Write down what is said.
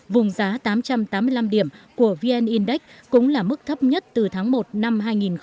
vùng giá tám trăm tám mươi năm điểm của vn index cũng là mức thấp nhất từ tháng một năm hai nghìn một mươi chín